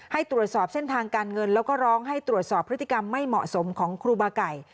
ให้ตรวจสอบเส้นทางการเงินแล้วก็ร้องให้ตรวจสอบพฤติกรรมไม่เหมาะสมของครูบาไก่